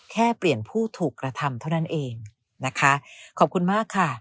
แค่เปลี่ยนผู้ถูกกระทำเท่านั้นเองนะคะขอบคุณมากค่ะ